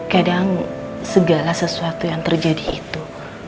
kadang segala sesuatu yang terjadi itu